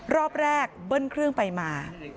รอบแรกเบิ้ลเครื่องไปมา